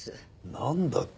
なんだって？